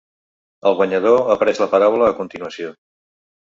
El guanyador ha pres la paraula a continuació.